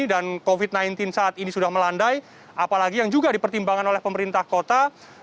dan covid sembilan belas saat ini sudah melandai apalagi yang juga dipertimbangkan oleh pemerintah kota